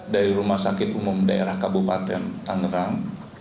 dari rumah sakit umum daerah kabupaten tangerang